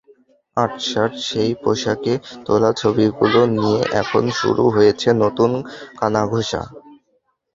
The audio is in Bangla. আঁটসাঁট সেই পোশাকে তোলা ছবিগুলো নিয়ে এখন শুরু হয়েছে নতুন কানাঘুষা।